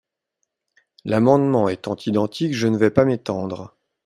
L’amendement étant identique, je ne vais pas m’étendre.